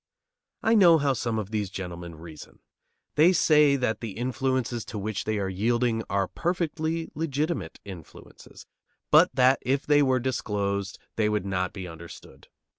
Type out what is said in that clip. I know how some of these gentlemen reason. They say that the influences to which they are yielding are perfectly legitimate influences, but that if they were disclosed they would not be understood.